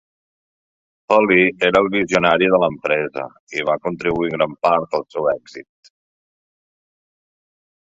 Holly era el visionari de l'empresa i va contribuir en gran part al seu èxit.